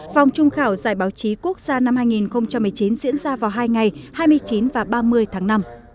vòng trung khảo giải báo chí quốc gia năm hai nghìn một mươi chín diễn ra vào hai ngày hai mươi chín và ba mươi tháng năm